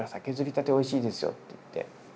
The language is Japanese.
削りたておいしいですよ」って言って。